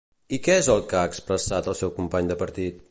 I què és el que ha expressat el seu company de partit?